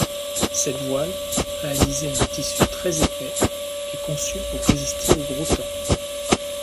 Cette voile, réalisée en tissu très épais, est conçue pour résister au gros temps.